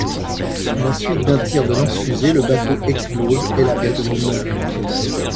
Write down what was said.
À la suite d'un tir de lance-fusée, le bateau explose et la bête meurt.